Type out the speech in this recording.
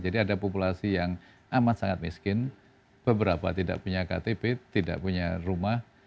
jadi ada populasi yang amat sangat miskin beberapa tidak punya ktp tidak punya rumah